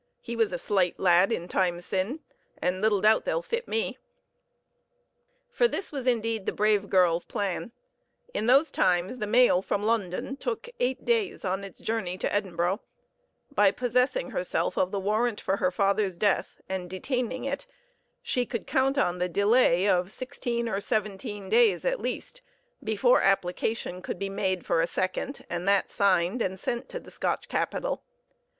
He was a slight lad in times syne, and little doubt they'll fit me." For this was indeed the brave girl's plan: In those times the mail from London took eight days on its journey to Edinburgh; by possessing herself of the warrant for her father's death and detaining it, she could count on the delay of sixteen or seventeen days at least before application could be made for a second, and that signed and sent to the Scotch capital.